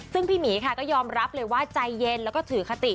ซึ่งพี่หมีค่ะก็ยอมรับเลยว่าใจเย็นแล้วก็ถือคติ